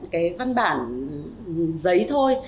cái văn bản giấy thôi